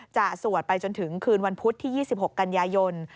สวดไปจนถึงคืนวันพุธที่๒๖กันยายน